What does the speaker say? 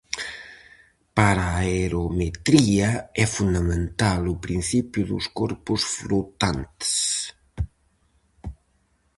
Para a areometría é fundamental o principio dos corpos flotantes.